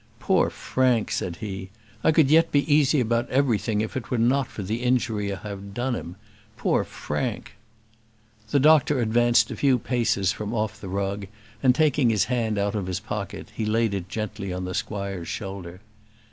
"Poor Frank!" said he. "I could yet be easy about everything if it were not for the injury I have done him. Poor Frank!" The doctor advanced a few paces from off the rug, and taking his hand out of his pocket, he laid it gently on the squire's shoulder.